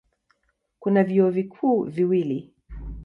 Kuna vyuo vikuu viwili.